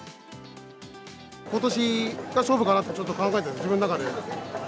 ことしが勝負かなとちょっと考えていて、自分の中で。